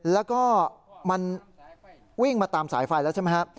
แล้วก็มันวิ่งมาตามสายไฟแล้วใช่ไหมครับ